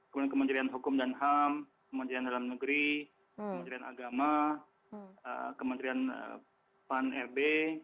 kemudian kementerian hukum dan ham kementerian dalam negeri kementerian agama kementerian pan rb